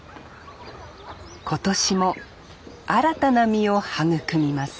今年も新たな実を育みます